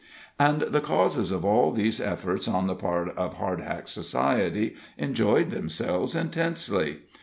And the causes of all these efforts on the part of Hardhack society enjoyed themselves intensely.